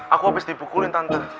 aku habis dipukulin tante